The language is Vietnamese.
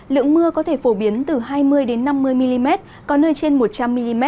lượng mưa có thể phổ biến từ hai mươi năm mươi mm có nơi trên một trăm linh mm